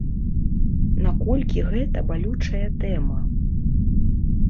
Наколькі гэта балючая тэма.